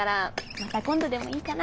また今度でもいいかな？